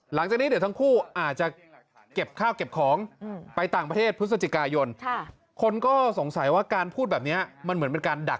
หลังจากนี้เดี๋ยวทั้งคู่อาจจะ